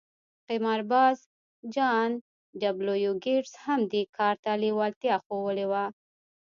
قمارباز جان ډبلیو ګیټس هم دې کار ته لېوالتیا ښوولې وه